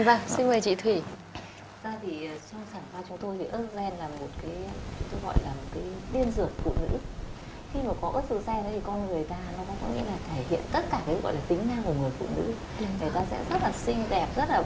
thì trong sản phẩm chúng tôi thì estrogen là một cái tôi gọi là một cái biên dược của nữ